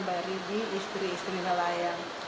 bari di istri istri nelayan